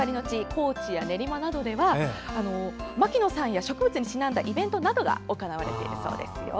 高知や練馬などでは牧野さんや植物にちなんだイベントなどが行われているそうですよ。